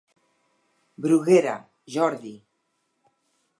Bruguera, Jordi.